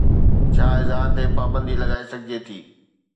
ڇا اظهار تي پابندي لڳائي سگهجي ٿي؟